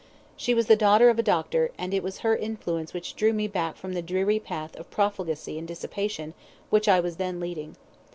She was the daughter of a doctor, and it was her influence which drew me back from the dreary path of profligacy and dissipation which I was then leading.